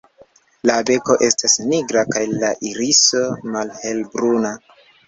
La beko estas nigra kaj la iriso malhelbruna.